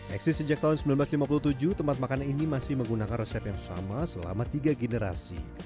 eksis sejak tahun seribu sembilan ratus lima puluh tujuh tempat makan ini masih menggunakan resep yang sama selama tiga generasi